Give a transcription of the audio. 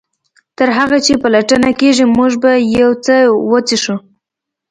تر هغه چې پلټنه کیږي موږ به یو څه وڅښو